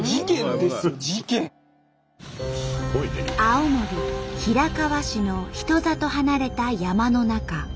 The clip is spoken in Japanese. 青森平川市の人里離れた山の中。